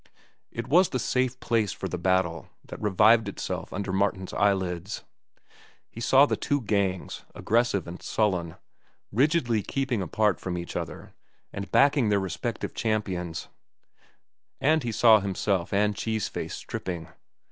It was the safe place for the battle that revived itself under Martin's eyelids. He saw the two gangs, aggressive and sullen, rigidly keeping apart from each other and backing their respective champions; and he saw himself and Cheese Face stripping.